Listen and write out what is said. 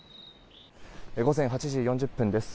午前８時４０分です。